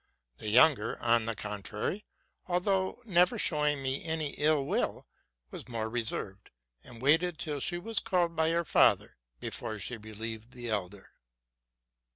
The younger, on the contrary, although never showing me a ill will, was more reserved, and waited till she. was ralled by her father before she iieved the elder.